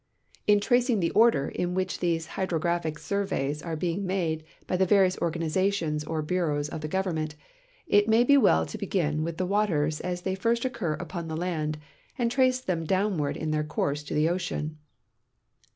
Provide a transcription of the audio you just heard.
In tracing the order in which these hydrographic surveys are being made by the various organizations or Imreaus of the gov ernment, it may be well to begin with the waters as they first occur upon the land and trace them downward in their course to the ocean.